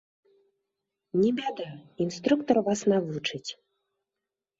Не бяда, інструктар вас навучыць.